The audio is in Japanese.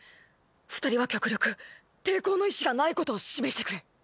二人は極力抵抗の意思がないことを示してくれ！